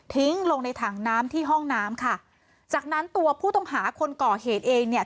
ลงในถังน้ำที่ห้องน้ำค่ะจากนั้นตัวผู้ต้องหาคนก่อเหตุเองเนี่ย